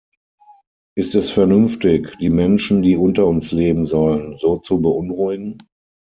Ist es vernünftig, die Menschen, die unter uns leben sollen, so zu beunruhigen?